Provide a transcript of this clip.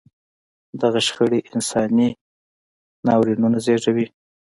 دغه شخړې انساني ناورینونه زېږوي.